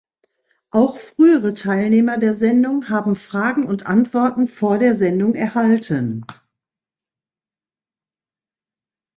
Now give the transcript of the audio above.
Auch frühere Teilnehmer der Sendung haben Fragen und Antworten vor der Sendung erhalten.